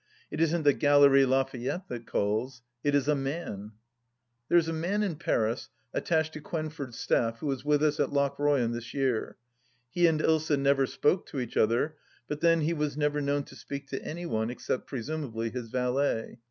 It isn't the Galerie Lafayette that calls : it is a man 1 There is a man in Paris attached to Quenford's staff, who was with us at Lochroyan this year. He and Ilsa never spoke to each other ; but then, he was never known to speak to any one, except presumably his valet.